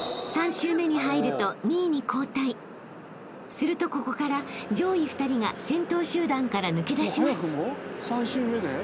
［するとここから上位２人が先頭集団から抜け出します］